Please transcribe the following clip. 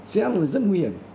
sẽ rất nguy hiểm